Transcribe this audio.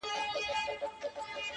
قريسي به ستا د غونډې زنې خال سي”